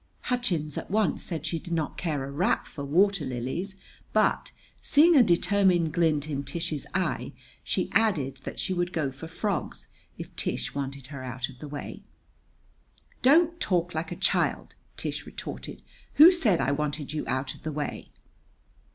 Hutchins at once said she did not care a rap for water lilies; but, seeing a determined glint in Tish's eye, she added that she would go for frogs if Tish wanted her out of the way. "Don't talk like a child!" Tish retorted. "Who said I wanted you out of the way?"